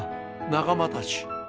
仲間たち！